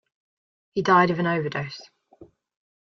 He died of an overdose.